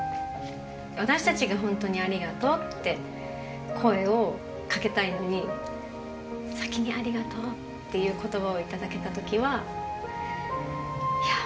私たちが本当にありがとうって声をかけたいのに、先にありがとうっていうことばを頂けたときは、いやー